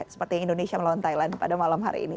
seperti indonesia melawan thailand pada malam hari ini